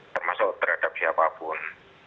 termasuk terhadap siapapun